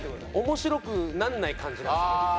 面白くなんない感じなんですよね。